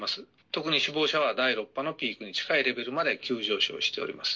特に死亡者が第６波のピークに近いレベルまで急上昇しております。